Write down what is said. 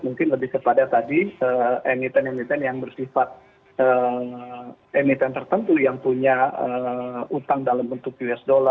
mungkin lebih kepada tadi emiten emiten yang bersifat emiten tertentu yang punya utang dalam bentuk usd